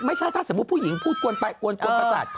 ไม่ใช่ถ้าสมมุติผู้หญิงพูดกวนไปกวนประสาท